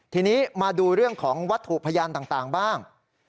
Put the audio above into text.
ทีนี้มาดูเรื่องของวัตถุพยานต่างบ้าง